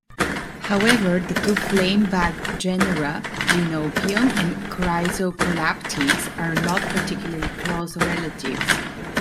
However, the two flameback genera "Dinopium" and "Chrysocolaptes" are not particularly close relatives.